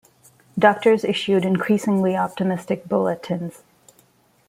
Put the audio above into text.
Doctors issued increasingly optimistic bulletins.